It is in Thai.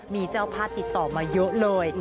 มีเจ้าภาพติดต่อมาเยอะเลย